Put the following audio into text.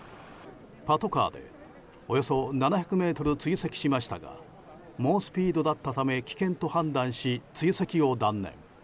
パトカーでおよそ７００ｍ追跡しましたが猛スピードだったため危険と判断し、追跡を断念。